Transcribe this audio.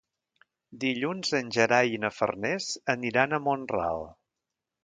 Dilluns en Gerai i na Farners aniran a Mont-ral.